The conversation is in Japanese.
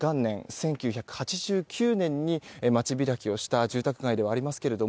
１９８９年に街びらきをした住宅街ではありますけれども。